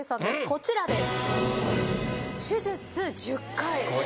こちらです。